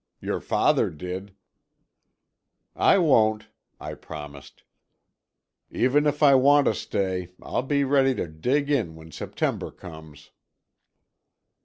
Your father did." "I won't," I promised, "even if I want to stay, I'll be ready to dig in when September comes."